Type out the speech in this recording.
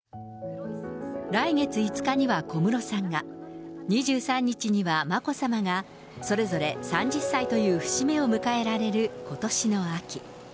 来月５日には小室さんが、２３日には眞子さまがそれぞれ３０歳という節目を迎えられることしの秋。